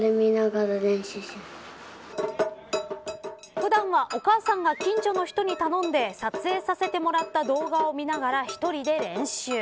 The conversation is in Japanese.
普段はお母さんが近所の人に頼んで撮影させてもらった動画を見ながら１人で練習。